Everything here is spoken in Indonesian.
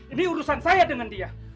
ini urusan saya dengan dia